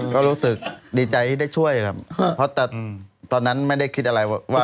ก็รู้สึกดีใจที่ได้ช่วยครับเพราะตอนนั้นไม่ได้คิดอะไรว่า